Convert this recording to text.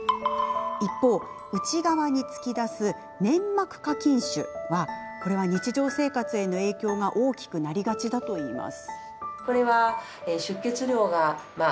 一方、内側に突き出す粘膜下筋腫は日常生活への影響が大きくなりがちだといいます。